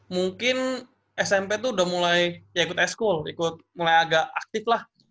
mungkin smp itu udah mulai ya ikut e school ikut mulai agak aktif lah